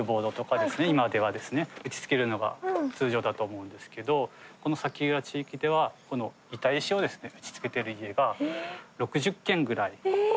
今では打ちつけるようなのが通常だと思うんですけどこの崎浦地域ではこの板石をですね打ちつけてる家が６０軒ぐらい残ってるんですよ。